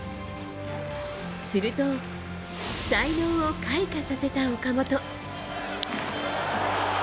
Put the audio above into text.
すると、才能を開花させた岡本。